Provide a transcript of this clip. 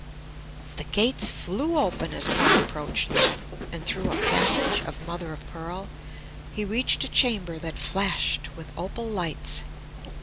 The gates flew open as Paul approached them, and through a passage of mother of pearl he reached a chamber that flashed with opal lights.